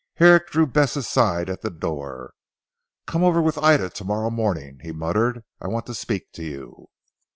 Herrick drew Bess aside at the door. "Come over with Ida to morrow morning," he muttered, "I want to speak to you."